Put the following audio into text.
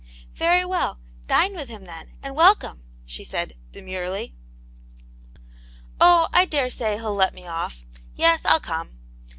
' "Very well, dine with him then and welcome," she said, demurely. " Oh, I daresay he'll let me off. Yes, Til come.